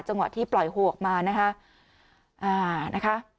จังหวะที่ปล่อยหัวออกมานะคะ